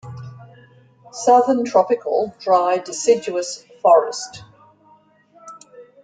Southern tropical dry deciduous forest.